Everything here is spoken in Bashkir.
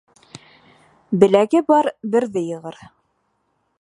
Беләге бар берҙе йығыр